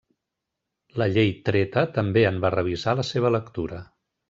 La llei treta també en va revisar la seva lectura.